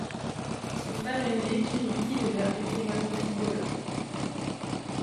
Son frère aîné, Jimmy Kidega, est également footballeur.